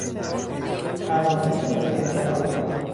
توانش نظامی آلمان